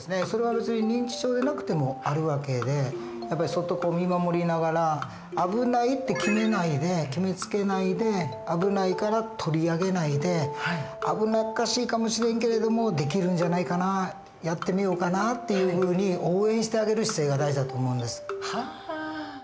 それは別に認知症でなくてもある訳でやっぱりそっと見守りながら危ないって決めないで決めつけないで危ないから取り上げないで危なっかしいかもしれんけれどもできるんじゃないかなやってみようかなっていうふうに応援してあげる姿勢が大事だと思うんです。